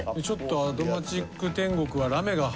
ちょっと「アド街ック天国」は。